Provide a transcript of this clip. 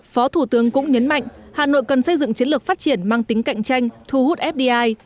phó thủ tướng cũng nhấn mạnh hà nội cần xây dựng chiến lược phát triển mang tính cạnh tranh thu hút fdi